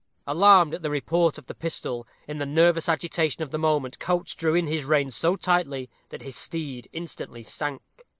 Alarmed at the report of the pistol, in the nervous agitation of the moment Coates drew in his rein so tightly that his steed instantly sank.